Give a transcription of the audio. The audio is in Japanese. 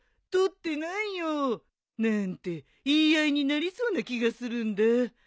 取ってないよなんて言い合いになりそうな気がするんだ。